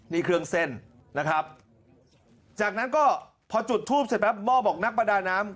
นี่เครื่องเส้นนะครับจากนั้นก็พอจุดทูปเสร็จแป๊บหม้อบอกนักประดาน้ำ